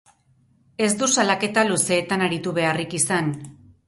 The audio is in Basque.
Ez du salaketa luzeetan aritu beharrik izan.